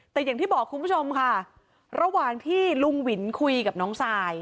แต่อย่างที่บอกคุณผู้ชมค่ะระหว่างที่ลุงวินคุยกับน้องซาย